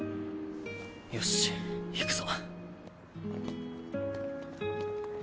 よし行くぞ。